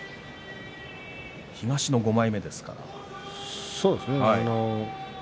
東の５枚目ですから。